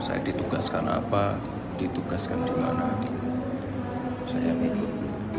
saya ditugaskan apa ditugaskan di mana saya yang ikut